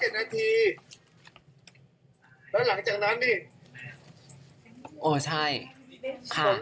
นาทีแล้วหลังจากนั้นนี่อ๋อใช่ค่ะ